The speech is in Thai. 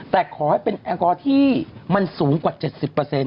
แต่ขอให้เป็นแอลกอฮอล์ที่มันสูงกว่า๗๐เปอร์เซ็นต์